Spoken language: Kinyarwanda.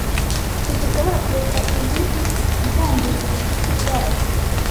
Ntidushobora kureka ibi byangiza ubucuti bwacu.